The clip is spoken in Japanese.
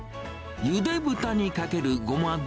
ゆで豚にかけるごま